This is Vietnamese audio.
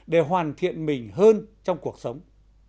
để hoàn thiện mình hơn trong cuộc sống